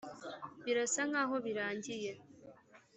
birasa nkaho birangiye